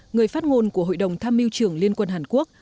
người phát ngôn của hội đồng tham mưu trưởng liên quân hàn quốc